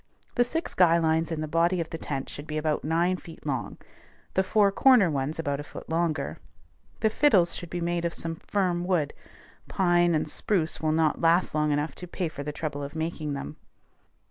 The six guy lines in the body of the tent should be about nine feet long, the four corner ones about a foot longer. The fiddles should be made of some firm wood: pine and spruce will not last long enough to pay for the trouble of making them.